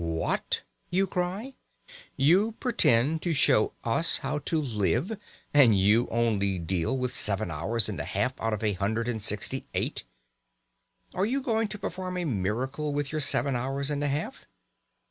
"What?" you cry. "You pretend to show us how to live, and you only deal with seven hours and a half out of a hundred and sixty eight! Are you going to perform a miracle with your seven hours and a half?"